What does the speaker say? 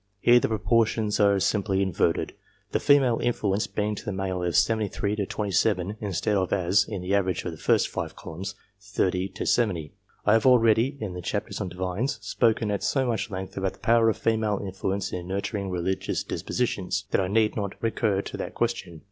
Here, the proportions are simply inverted, the female influence being to the male as 73 to 27, instead of as, in the average of the first five columns, 30 to 70. I have already, in the chapter on Divines, spoken at so much length about the power of female influence in nurturing religious dispositions, that I need not recur to that question.